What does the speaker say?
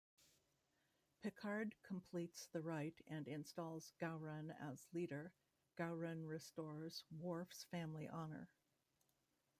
Picard completes the rite and installs Gowron as Leader; Gowron restores Worf's family honor.